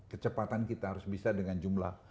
kecepatan kita harus bisa dengan jumlah